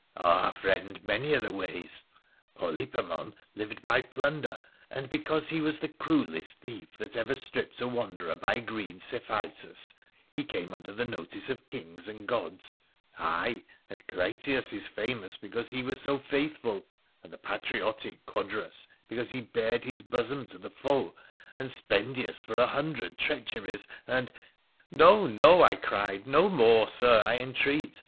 Ah, friend ! many are the ways. Polypemon lived by plunder, and, because he was the cruellest thief that ever stripped a wanderer by green Cephisus, he came under the notice of kings and gods ; ay, and Clytius is famous because he was so faithful ; and the patriotic Codrus because he bared his bosom to the foe, and Spendius for a hundred treacheries, and '' No ! no !' I cried, ' no more, Sir, I entreat.